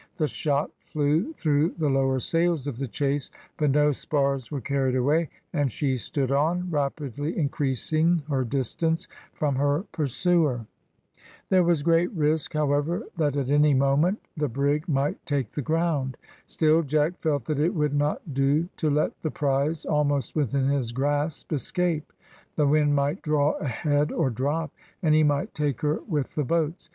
The shot flew through the lower sails of the chase, but no spars were carried away, and she stood on, rapidly increasing her distance from her pursuer. There was great risk, however, that at any moment the brig might take the ground. Still Jack felt that it would not do to let the prize, almost within his grasp, escape; the wind might draw ahead or drop, and he might take her with the boats.